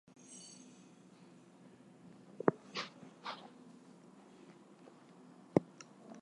His voice had a loud vulgar cordiality.